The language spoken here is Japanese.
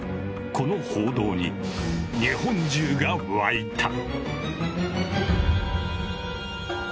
この報道に日本中が沸いた。